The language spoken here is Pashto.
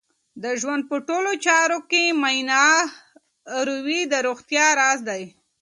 د ژوند په ټولو چارو کې میانه روی د روغتیا راز دی.